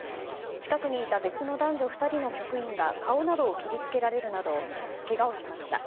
近くにいた別の男女２人の局員が顔などを切り付けられるなどけがをしました。